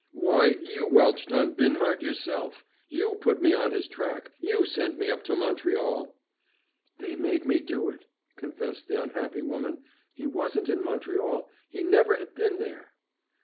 "Why, you welched on Binhart yourself. You put me on his track. You sent me up to Montreal!" "They made me do that," confessed the unhappy woman. "He wasn't in Montreal. He never had been there!"